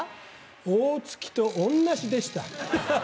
大月と同じでした。